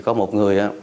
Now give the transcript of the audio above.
có một người